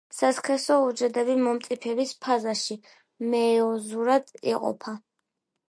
სასქესო უჯრედები მომწიფების ფაზაში მეიოზურად იყოფა.